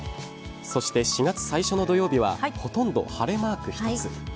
そして４月最初の土曜日はほとんど晴れマーク一つ。